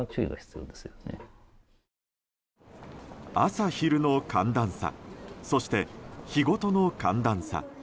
朝昼の寒暖差そして日ごとの寒暖差。